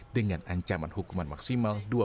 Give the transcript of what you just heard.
dengan ancaman hukuman maksimal